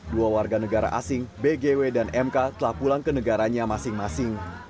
dua warga negara asing bgw dan mk telah pulang ke negaranya masing masing